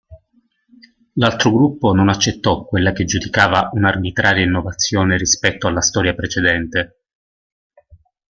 L'altro gruppo non accettò quella che giudicava un'arbitraria innovazione rispetto alla storia precedente.